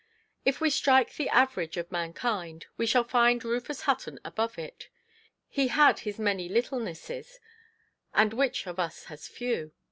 If we strike the average of mankind, we shall find Rufus Hutton above it. He had his many littlenesses—and which of us has few?